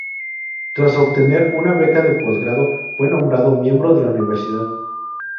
Tras obtener una beca de posgrado, fue nombrado miembro de la Universidad.